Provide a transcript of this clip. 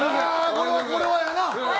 これはこれはやな。